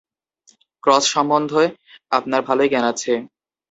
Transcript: Cross সম্বন্ধে আপনার ভালোই জ্ঞান আছে।